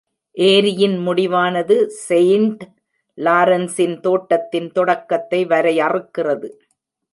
ஏரியின் முடிவானது செயிண்ட் லாரன்ஸின் தோட்டத்தின் தொடக்கத்தை வரையறுக்கிறது.